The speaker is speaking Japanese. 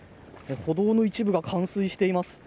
歩道の一部が冠水しています。